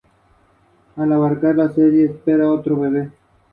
Militó nueve temporadas en la más alta categoría.